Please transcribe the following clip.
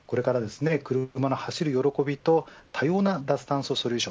走る喜びと多様な脱炭素ソリューション